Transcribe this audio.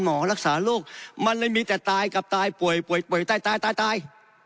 หมอรักษาโลกมันเลยมีแต่ตายกับตายป่วยป่วยป่วยตายตายตายตาย